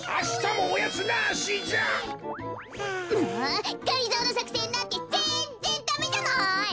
もうがりぞーのさくせんなんてぜんぜんダメじゃない！